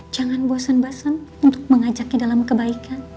jangan bosan bosan untuk mengajaknya dalam kebaikan